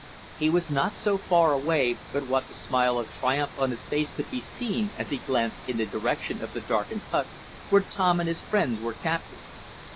He was not so far away but what the smile of triumph on his face could be seen as he glanced in the direction of the darkened hut where Tom and his friends were captives.